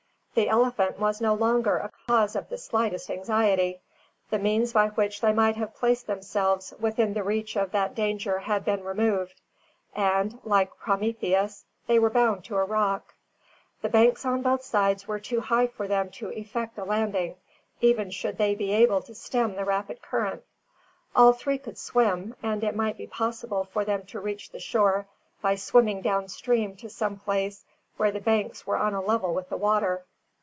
The elephant was no longer a cause of the slightest anxiety. The means by which they might have placed themselves within the reach of that danger had been removed; and, like Prometheus, they were bound to a rock. The banks on both sides were too high for them to effect a landing, even should they be able to stem the rapid current. All three could swim, and it might be possible for them to reach the shore by swimming down stream to some place where the banks were on a level with the water.